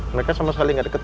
mereka sama saling gak deket